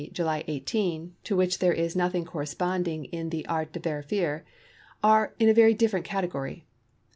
July 18, to which there is nothing corresponding in the Art de vérifier, are in a different category.